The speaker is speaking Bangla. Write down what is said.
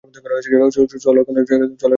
চলো এখন থানায়।